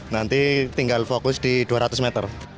nanti tinggal fokus di dua ratus meter